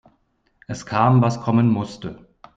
Es kam, was kommen musste.